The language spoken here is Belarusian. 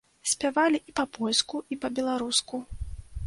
Спявалі і па-польску, і па-беларуску.